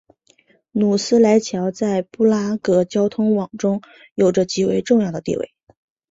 努斯莱桥在布拉格交通网中有着极为重要的地位。